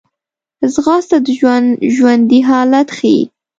ځغاسته د ژوند ژوندي حالت ښيي